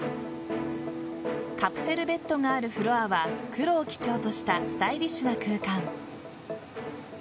カプセルベッドがあるフロアは黒を基調としたスタイリッシュな空間。